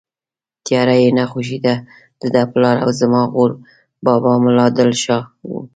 تیاره یې نه خوښېده، دده پلار او زما غور بابا ملا دل شاه و.